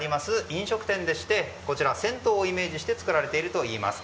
飲食店でして銭湯をイメージして作られているといいます。